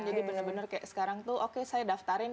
jadi bener bener kayak sekarang tuh oke saya daftarin